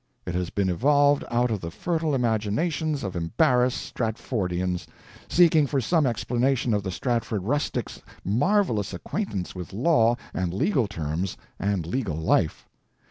It has been evolved out of the fertile imaginations of embarrassed Stratfordians, seeking for some explanation of the Stratford rustic's marvelous acquaintance with law and legal terms and legal life.